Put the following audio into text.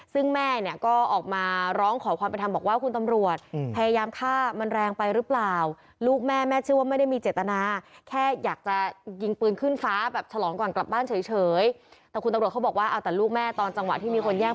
ซึ่งแม่ก็ออกมาร้องขอความเป็นธรรม